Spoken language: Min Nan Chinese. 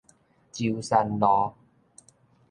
舟山路